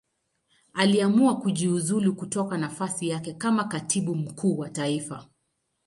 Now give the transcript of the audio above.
Aliamua kujiuzulu kutoka nafasi yake kama Katibu Mkuu wa Taifa.